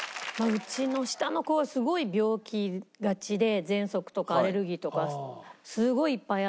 うちの下の子すごい病気がちでぜんそくとかアレルギーとかすごいいっぱいあって。